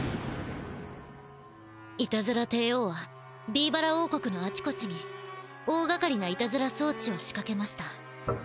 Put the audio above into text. いたずら帝王はビーバラおうこくのあちこちに大がかりないたずらそうちを仕かけました。